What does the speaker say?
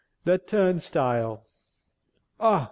THE TURNSTILE Ah!